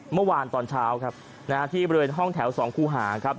เมื่อวานตอนเช้าครับนะฮะที่บริเวณห้องแถว๒คู่หาครับ